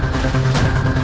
kau bisa pertaruh terhadap aku